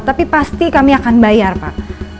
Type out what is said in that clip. tapi pasti kami akan bayar pak